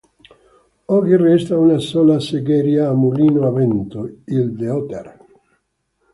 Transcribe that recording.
Oggi resta una sola segheria a mulino a vento, il De Otter.